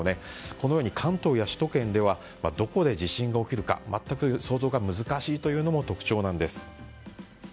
このように関東や首都圏ではどこで地震が起きるか全く想像が難しいというのも特徴なんです。